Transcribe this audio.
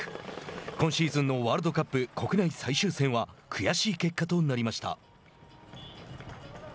今シーズンのワールドカップ国内最終戦は悔しい結果となりました。